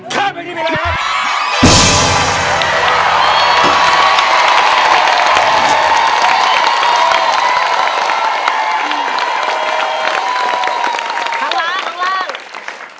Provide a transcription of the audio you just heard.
ข้าวะหลัง